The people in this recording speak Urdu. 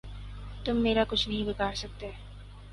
تم میرا کچھ نہیں بگاڑ سکتے۔